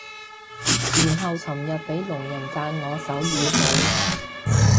然後尋日俾聾人讚我手語好